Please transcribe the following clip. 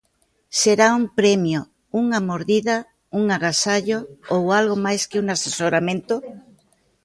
¿Será un premio, unha mordida, un agasallo, ou algo máis que un asesoramento?